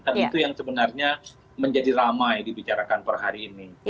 kan itu yang sebenarnya menjadi ramai dibicarakan per hari ini